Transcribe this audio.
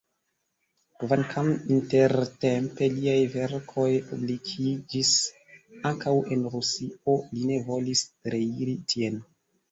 Kvankam intertempe liaj verkoj publikiĝis ankaŭ en Rusio, li ne volis reiri tien.